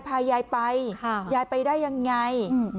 พายายไปยายไปได้ยังไง